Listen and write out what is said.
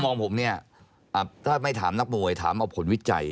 มองผมเนี่ยถ้าไม่ถามนักมวยถามเอาผลวิจัย